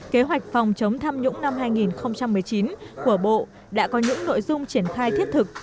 kế hoạch phòng chống tham nhũng năm hai nghìn một mươi chín của bộ đã có những nội dung triển khai thiết thực